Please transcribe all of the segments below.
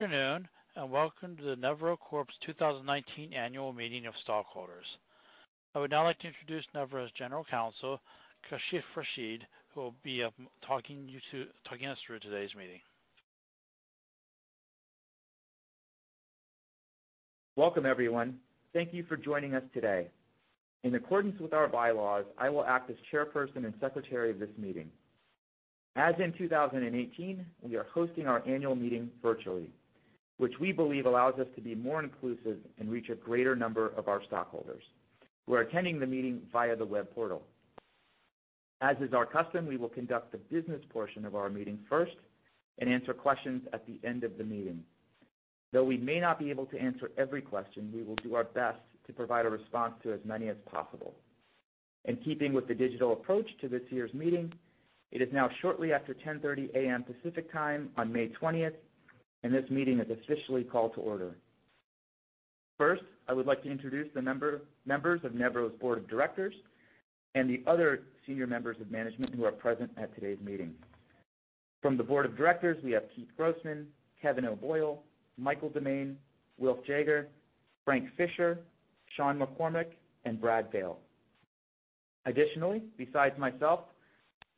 Good afternoon, welcome to Nevro Corp.'s 2019 annual meeting of stockholders. I would now like to introduce Nevro's General Counsel, Kashif Rashid, who will be talking us through today's meeting. Welcome, everyone. Thank you for joining us today. In accordance with our bylaws, I will act as chairperson and secretary of this meeting. As in 2018, we are hosting our annual meeting virtually, which we believe allows us to be more inclusive and reach a greater number of our stockholders who are attending the meeting via the web portal. As is our custom, we will conduct the business portion of our meeting first and answer questions at the end of the meeting. Though we may not be able to answer every question, we will do our best to provide a response to as many as possible. In keeping with the digital approach to this year's meeting, it is now shortly after 10:30 A.M. Pacific Time on May twentieth, this meeting is officially called to order. First, I would like to introduce the members of Nevro's Board of Directors and the other senior members of management who are present at today's meeting. From the Board of Directors, we have Keith Grossman, Kevin O'Boyle, Michael DeMane, Wilf Jager, Frank Fischer, Shawn McCormick, and Brad Vale. Additionally, besides myself,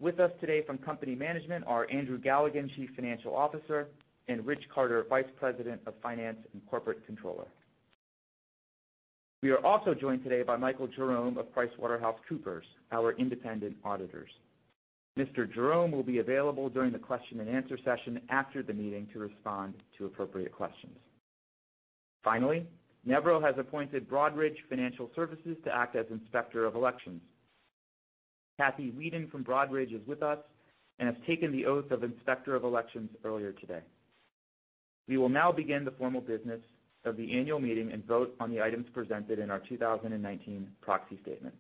with us today from company management are Andrew Galligan, Chief Financial Officer, and Rich Carter, Vice President of Finance and Corporate Controller. We are also joined today by Michael Jerome of PricewaterhouseCoopers, our independent auditors. Mr. Jerome will be available during the question and answer session after the meeting to respond to appropriate questions. Finally, Nevro has appointed Broadridge Financial Solutions to act as Inspector of Elections. Kathy Weeden from Broadridge is with us and has taken the oath of Inspector of Elections earlier today. We will now begin the formal business of the annual meeting and vote on the items presented in our 2019 proxy statement.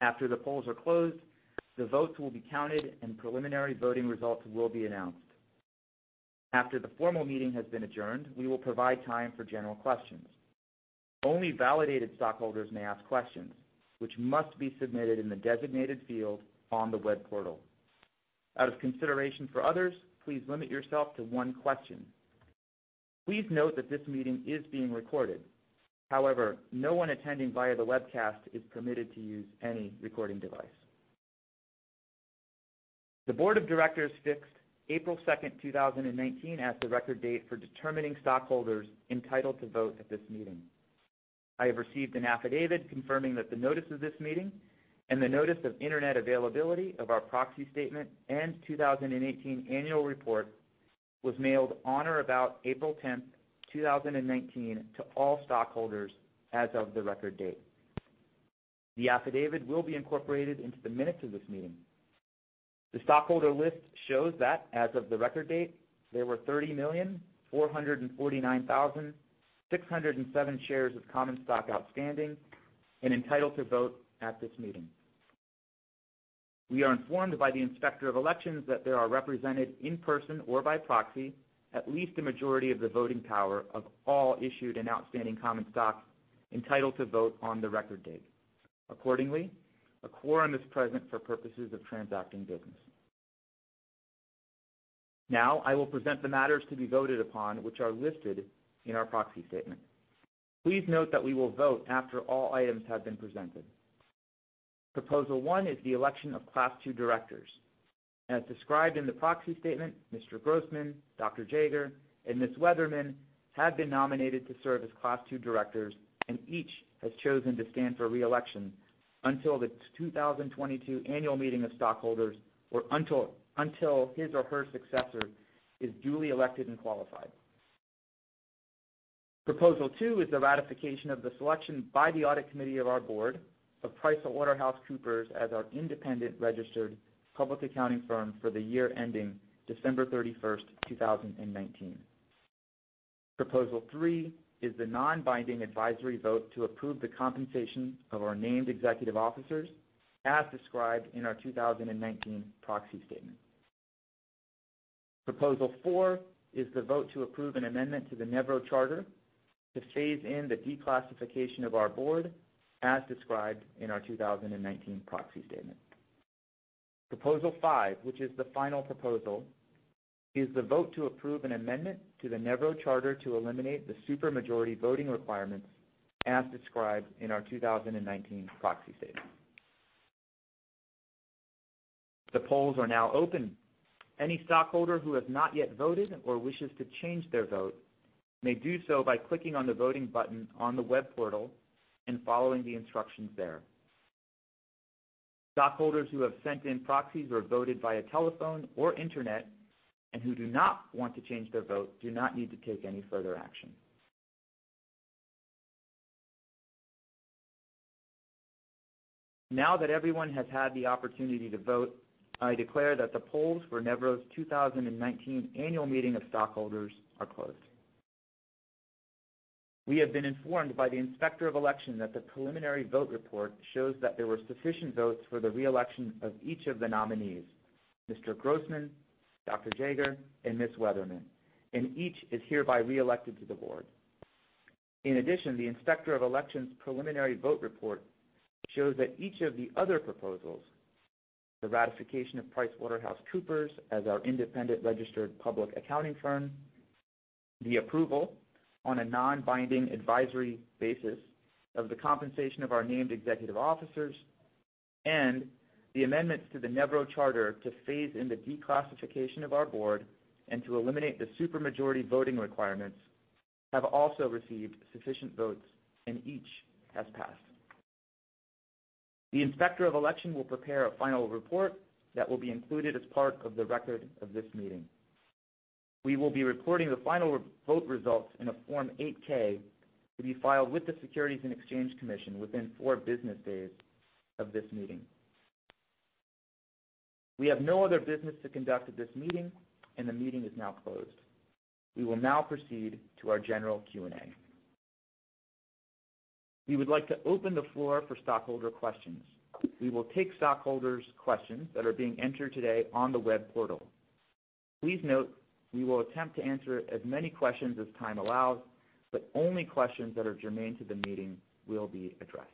After the polls are closed, the votes will be counted, and preliminary voting results will be announced. After the formal meeting has been adjourned, we will provide time for general questions. Only validated stockholders may ask questions, which must be submitted in the designated field on the web portal. Out of consideration for others, please limit yourself to one question. Please note that this meeting is being recorded. However, no one attending via the webcast is permitted to use any recording device. The Board of Directors fixed April second, 2019, as the record date for determining stockholders entitled to vote at this meeting. I have received an affidavit confirming that the notice of this meeting and the notice of internet availability of our proxy statement and 2018 annual report was mailed on or about April 10, 2019, to all stockholders as of the record date. The affidavit will be incorporated into the minutes of this meeting. The stockholder list shows that as of the record date, there were 30,449,607 shares of common stock outstanding and entitled to vote at this meeting. We are informed by the inspector of elections that there are represented in person or by proxy at least a majority of the voting power of all issued and outstanding common stocks entitled to vote on the record date. Accordingly, a quorum is present for purposes of transacting business. I will present the matters to be voted upon, which are listed in our proxy statement. Please note that we will vote after all items have been presented. Proposal one is the election of Class II directors. As described in the proxy statement, Mr. Grossman, Dr. Jager, and Ms. Weatherman have been nominated to serve as Class II directors, and each has chosen to stand for re-election until the 2022 annual meeting of stockholders or until his or her successor is duly elected and qualified. Proposal two is the ratification of the selection by the audit committee of our board of PricewaterhouseCoopers as our independent registered public accounting firm for the year ending December 31, 2019. Proposal three is the non-binding advisory vote to approve the compensation of our named executive officers as described in our 2019 proxy statement. Proposal four is the vote to approve an amendment to the Nevro charter to phase in the declassification of our board as described in our 2019 proxy statement. Proposal five, which is the final proposal, is the vote to approve an amendment to the Nevro charter to eliminate the supermajority voting requirements as described in our 2019 proxy statement. The polls are now open. Any stockholder who has not yet voted or wishes to change their vote may do so by clicking on the voting button on the web portal and following the instructions there. Stockholders who have sent in proxies or voted via telephone or internet and who do not want to change their vote do not need to take any further action. Now that everyone has had the opportunity to vote, I declare that the polls for Nevro's 2019 annual meeting of stockholders are closed. We have been informed by the inspector of election that the preliminary vote report shows that there were sufficient votes for the re-election of each of the nominees, Mr. Grossman, Dr. Jager, and Ms. Weatherman, and each is hereby re-elected to the board. In addition, the inspector of election's preliminary vote report shows that each of the other proposals, the ratification of PricewaterhouseCoopers as our independent registered public accounting firm, the approval on a non-binding advisory basis of the compensation of our named executive officers, and the amendments to the Nevro charter to phase in the declassification of our board and to eliminate the supermajority voting requirements, have also received sufficient votes, and each has passed. The inspector of election will prepare a final report that will be included as part of the record of this meeting. We will be reporting the final vote results in a Form 8-K to be filed with the Securities and Exchange Commission within four business days of this meeting. We have no other business to conduct at this meeting, and the meeting is now closed. We will now proceed to our general Q&A. We would like to open the floor for stockholder questions. We will take stockholders' questions that are being entered today on the web portal. Please note we will attempt to answer as many questions as time allows, but only questions that are germane to the meeting will be addressed.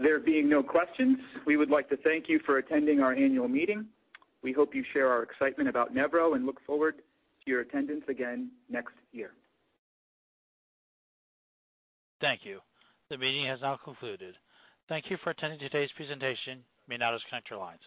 There being no questions, we would like to thank you for attending our annual meeting. We hope you share our excitement about Nevro and look forward to your attendance again next year. Thank you. The meeting has now concluded. Thank you for attending today's presentation. You may now disconnect your lines.